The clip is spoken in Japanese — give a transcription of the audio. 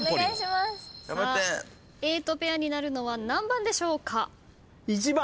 さあＡとペアになるのは何番でしょうか？